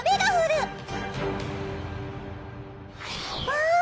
わあ！